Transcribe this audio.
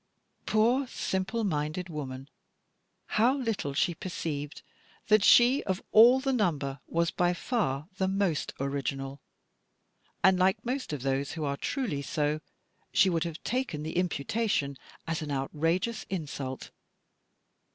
Poor simple minded woman; how little she perceived that she of all the number was by far the most original! And, like most of those who are truly so, she would have taken the imputation as an outrageous insult.